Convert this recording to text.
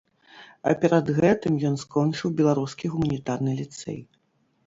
А перад гэтым ён скончыў беларускі гуманітарны ліцэй.